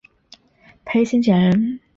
裴行俭人。